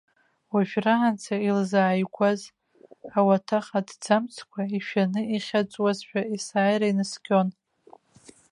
Уажәраанӡа илзааигәаз ауаҭах аҭӡамцқәа, ишәаны ихьаҵуазшәа есааира инаскьон.